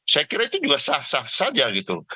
saya kira itu juga sah sah saja gitu